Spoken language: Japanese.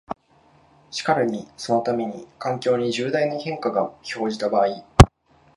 しかるにそのために、環境に重大な変化が生じた場合、